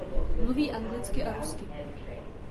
Mluví anglicky a rusky.